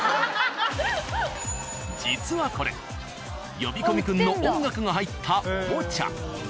実はこれ呼び込み君の音楽が入ったおもちゃ。